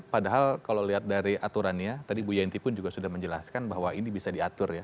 padahal kalau lihat dari aturannya tadi bu yanti pun juga sudah menjelaskan bahwa ini bisa diatur ya